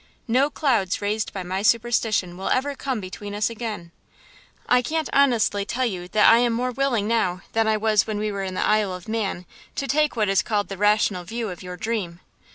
No clouds raised by my superstition will ever come between us again. I can't honestly tell you that I am more willing now than I was when we were in the Isle of Man to take what is called the rational view of your Dream.